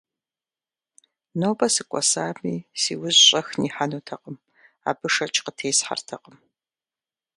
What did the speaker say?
Нобэ сыкӀуэсами, си ужь щӀэх нихьэнуӀатэкъым – абы шэч къытесхьэртэкъым.